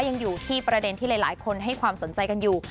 ยังอยู่ที่ประเด็นที่หลายคนให้ความสนใจกันอยู่